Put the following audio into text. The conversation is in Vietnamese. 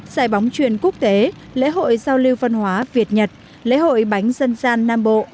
giải bóng truyền quốc tế lễ hội giao lưu văn hóa việt nhật lễ hội bánh dân gian nam bộ